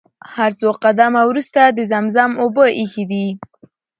هر څو قدمه وروسته د زمزم اوبه ايښي دي.